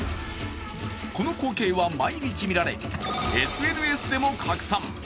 この光景は毎日見られ、ＳＮＳでも拡散。